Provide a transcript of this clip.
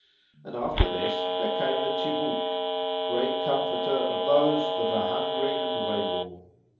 And after this there came the tchibouque—great comforter of those that are hungry and wayworn.